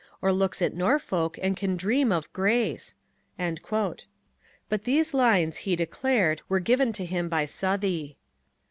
Or looks at Norfolk, and can dream of grace? But these lines, he declared, were given to him by Southey.